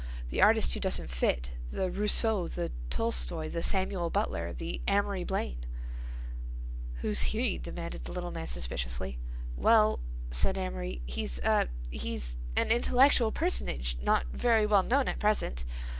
The artist who doesn't fit—the Rousseau, the Tolstoi, the Samuel Butler, the Amory Blaine—" "Who's he?" demanded the little man suspiciously. "Well," said Amory, "he's a—he's an intellectual personage not very well known at present."